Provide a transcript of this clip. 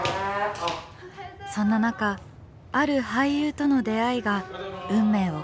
そんな中ある俳優との出会いが運命を変えます。